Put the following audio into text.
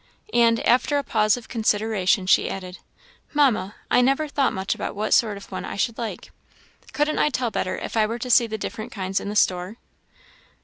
And, after a pause of consideration, she added, "Mamma, I never thought much about what sort of a one I should like couldn't I tell better if I were to see the different kinds in the store?"